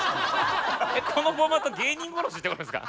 このフォーマット芸人殺しってことですか？